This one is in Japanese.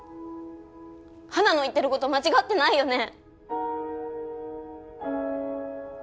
ハナの言ってること間違ってないよね？